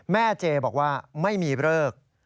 แม่เจ๊บอกว่าไม่มีเวิร์ก